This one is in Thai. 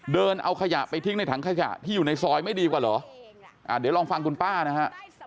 เดินเอาขยะไปทิ้งในถังขยะที่อยู่ในซอยไม่ดีกว่าเหรอเดี๋ยวลองฟังคุณป้านะฮะ